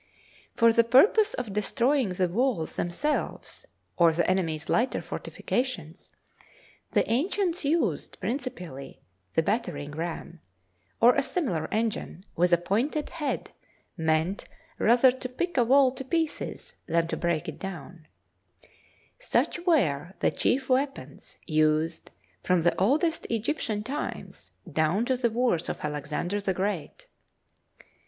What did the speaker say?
For the purpose of destroying the walls them THE FIRST PERIOD selves or the enemy's lighter fortifications, the ancients used principally the battering ram, or a similar engine with a pointed head meant rather to pick a wall to pieces than to break it down. Such were the chief weapons used from the oldest Egyptian times down to the wars of Alexander the Great.